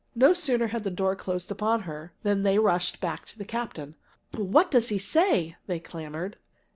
No sooner had the door closed upon her than they rushed back to the captain. "What does he say?" they clamored.